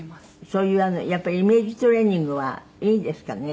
そういうやっぱりイメージトレーニングはいいんですかね？